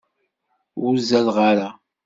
Ur zadeɣ ara.